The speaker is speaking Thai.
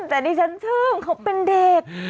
จะดีฉันเชื่อเขาเป็นเด็ก